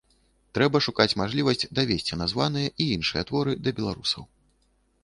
Трэба шукаць мажлівасць давесці названыя і іншыя творы да беларусаў.